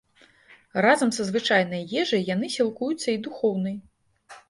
Разам са звычайнай ежай яны сілкуюцца і духоўнай.